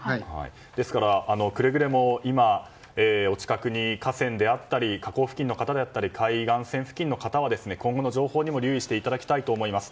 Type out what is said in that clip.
ですから、くれぐれも今お近くに河川であったり河口付近の方だったり海岸線付近の方は今後の情報にも留意していただきたいと思います。